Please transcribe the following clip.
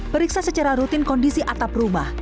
periksa secara rutin kondisi atap rumah